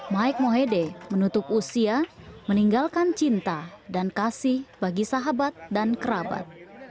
mike mohede menutup usia meninggalkan cinta dan kasih bagi sahabat dan kerabat